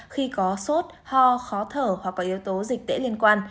khi có sốt ho khó thở hoặc có yếu tố dịch tễ liên quan